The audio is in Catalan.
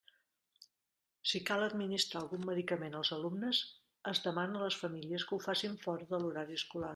Si cal administrar algun medicament als alumnes, es demana a les famílies que ho facin fora de l'horari escolar.